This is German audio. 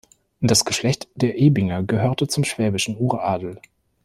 Das Geschlecht der Ebinger gehörte zum schwäbischen Uradel.